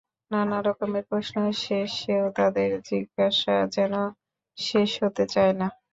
নানা রকমের প্রশ্ন শেষেও তাঁদের জিজ্ঞাসা যেন শেষ হতে চায় না।